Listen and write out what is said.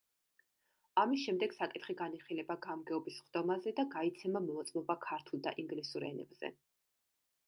ამის შემდეგ საკითხი განიხილება გამგეობის სხდომაზე და გაიცემა მოწმობა ქართულ და ინგლისურ ენებზე.